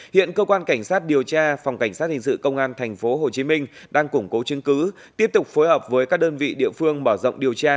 hiện cơ quan cảnh sát điều tra phòng cảnh sát hình sự công an tp hcm đang củng cố chứng cứ tiếp tục phối hợp với các đơn vị địa phương mở rộng điều tra